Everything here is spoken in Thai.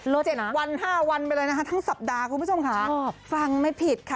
๗วัน๕วันไปเลยนะคะทั้งสัปดาห์คุณผู้ชมค่ะฟังไม่ผิดค่ะ